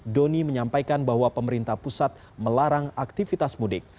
doni menyampaikan bahwa pemerintah pusat melarang aktivitas mudik